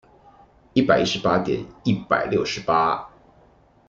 一百一十八點一百六十八